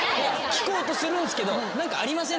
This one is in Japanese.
聞こうとするんすけど何かありません？